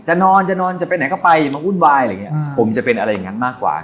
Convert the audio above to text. นอนจะนอนจะไปไหนก็ไปอย่ามาวุ่นวายอะไรอย่างเงี้ยผมจะเป็นอะไรอย่างนั้นมากกว่า